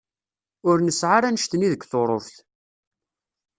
Ur nesεa ara annect-nni deg Tuṛuft.